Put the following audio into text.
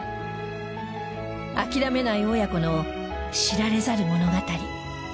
諦めない親子の知られざる物語。